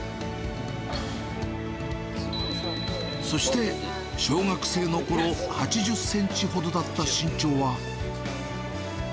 そして、小学生のころ８０センチほどだった身長は。